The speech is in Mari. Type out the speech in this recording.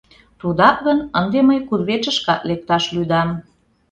Тудак гын, ынде мый кудывечышкат лекташ лӱдам.